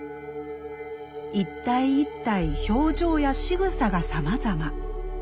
一体一体表情やしぐさがさまざま。